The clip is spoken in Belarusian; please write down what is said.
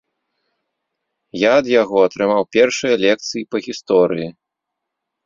Я ад яго атрымаў першыя лекцыі па гісторыі.